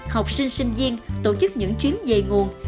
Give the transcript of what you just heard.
học sinh sinh viên tổ chức những chuyến về nguồn